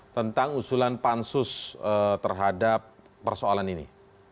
tentang usulan pansus terhadap persoalan ini